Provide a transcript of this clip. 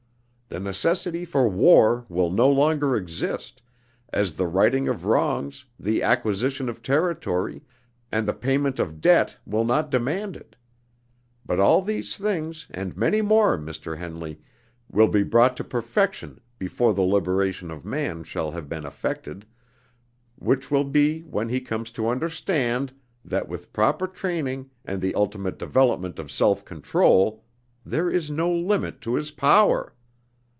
The necessity for war will no longer exist, as the righting of wrongs, the acquisition of territory, and the payment of debt will not demand it. But all these things and many more, Mr. Henley, will be brought to perfection before the liberation of man shall have been effected, which will be when he comes to understand that, with proper training and the ultimate development of self control, there is no limit to his power.